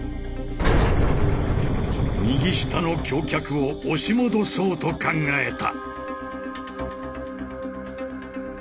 右下の橋脚を押し戻そうと考えた！